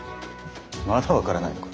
まだ分からないのか。